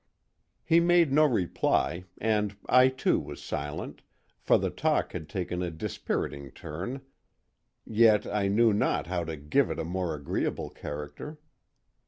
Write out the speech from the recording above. He made no reply, and I too was silent, for the talk had taken a dispiriting turn, yet I knew not how to give it a more agreeable character.